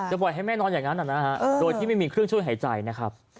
ปล่อยให้แม่นอนอย่างนั้นนะฮะโดยที่ไม่มีเครื่องช่วยหายใจนะครับ